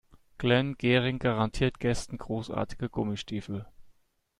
Glenn Gehring garantiert Gästen großartige Gummistiefel.